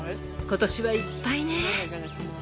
今年はいっぱいね。